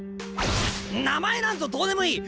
名前なんぞどうでもいい！